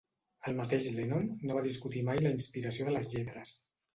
El mateix Lennon no va discutir mai la inspiració de les lletres.